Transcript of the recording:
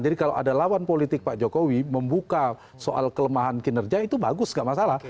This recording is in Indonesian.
jadi kalau ada lawan politik pak jokowi membuka soal kelemahan kinerja itu bagus gak masalah